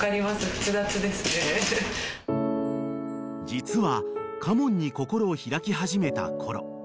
［実は嘉門に心を開き始めたころ